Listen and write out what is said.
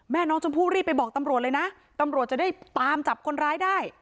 แม่น้องชมพู่รีบไปบอกตำรวจเลยนะตำรวจจะได้ตามจับคนร้ายได้